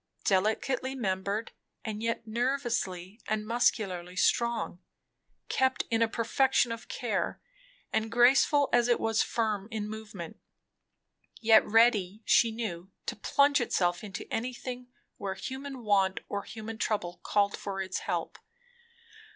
Delicately membered, and yet nervously and muscularly strong; kept in a perfection of care, and graceful as it was firm in movement; yet ready, she knew, to plunge itself into anything where human want or human trouble called for its help.